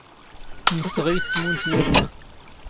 ⵎⴽ ⵜⵖⵉⵢⵜ, ⵜⵎⵓⵏⵜ ⵢⵉⴷⵏⵖ.